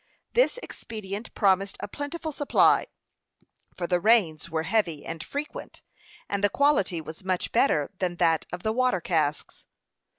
This expedient promised a plentiful supply, for the rains were heavy and frequent, and the quality was much better than that of the water casks.